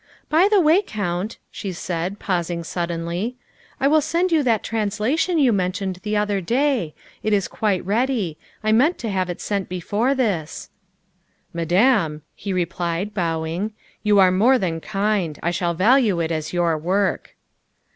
" By the way, Count," she said, pausing suddenly, " I will send you that translation you mentioned the other day. It is quite ready; I meant to have sent it before this." " Madame," he replied, bowing, " you are more than kind. I shall value it as your work."